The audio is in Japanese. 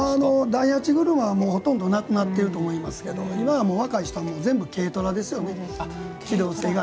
大八車は、ほとんどなくなってると思いますけど今はもう若い人も全部軽トラです。